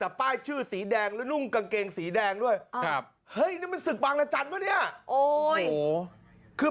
หาว่าลูกฉันไม่ขโมยเหรอ